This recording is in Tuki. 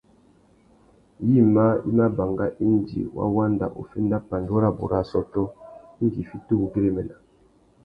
Yïmá i mà banga indi wa wanda uffénda pandú rabú râ assôtô indi i fiti uwú güérémena.